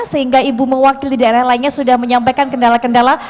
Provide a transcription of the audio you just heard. sehingga ibu mewakili daerah lainnya sudah menyampaikan kendala kendala